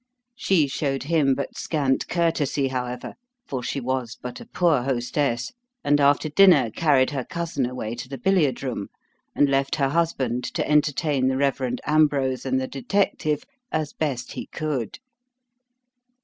She showed him but scant courtesy, however, for she was but a poor hostess, and after dinner carried her cousin away to the billiard room, and left her husband to entertain the Rev. Ambrose and the detective as best he could.